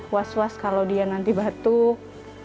was was kalau dia nanti batuk